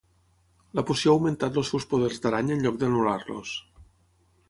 La poció ha augmentat els seus poders d'aranya en lloc d'anul·lar-los.